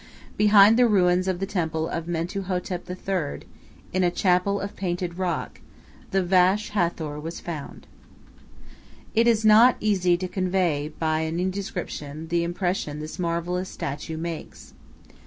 Behind the ruins of the temple of Mentu Hotep III., in a chapel of painted rock, the Vache Hathor was found. It is not easy to convey by any description the impression this marvellous statue makes.